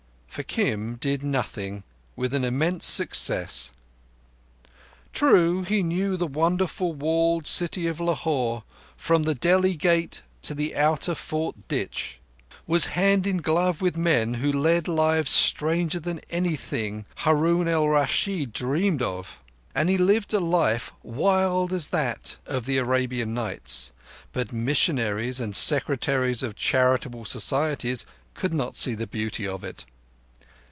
For Kim did nothing with an immense success. True, he knew the wonderful walled city of Lahore from the Delhi Gate to the outer Fort Ditch; was hand in glove with men who led lives stranger than anything Haroun al Raschid dreamed of; and he lived in a life wild as that of the Arabian Nights, but missionaries and secretaries of charitable societies could not see the beauty of it.